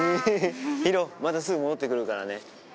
ヒロまたすぐ戻ってくるからね。